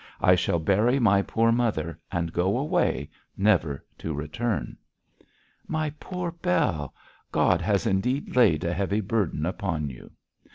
I shall bury my poor mother, and go away, never to return.' 'My poor Bell! God has indeed laid a heavy burden upon you.'